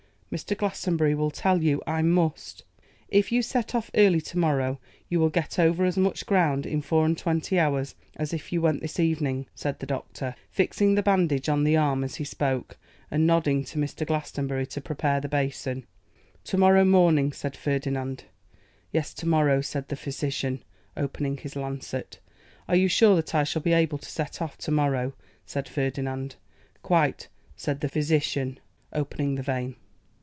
Mr. Glastonbury will tell you I must.' 'If you set off early to morrow you will get over as much ground in four and twenty hours as if you went this evening,' said the physician, fixing the bandage on the arm as he spoke, and nodding to Mr. Glastonbury to prepare the basin. 'To morrow morning?' said Ferdinand. 'Yes, to morrow,' said the physician, opening his lancet. 'Are you sure that I shall be able to set off tomorrow?' said Ferdinand. 'Quite,' said the physician, opening the vein.